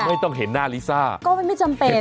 ไม่ต้องเห็นหน้าลิซ่าเนี่ยคลิกก็ไม่จำเป็น